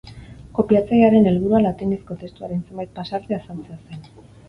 Kopiatzailearen helburua latinezko testuaren zenbait pasarte azaltzea zen.